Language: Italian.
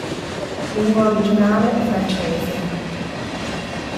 Lingua originale: francese